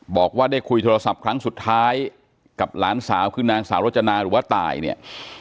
บอกว่าได้คุยโทรศัพท์ครั้งสุดท้ายกับหลานสาวคือนางสาวรจนาหรือว่าตายเนี่ย